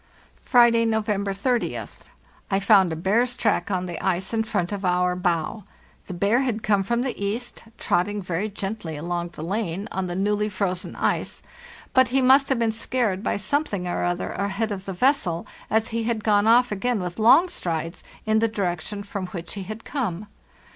"Friday, November 30th. I found a bear's track on the ice in front of our bow. The bear had come from the east, trotting very gently along the lane, on the newly frozen ice, but he must have been scared by something or other ahead of the vessel, as he had gone off again with long strides in the same direction in which he had come.